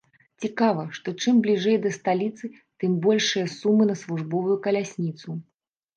Цікава, што чым бліжэй да сталіцы, тым большыя сумы на службовую калясніцу.